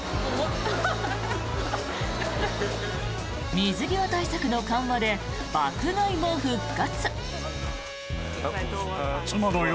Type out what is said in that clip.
水際対策の緩和で爆買いも復活。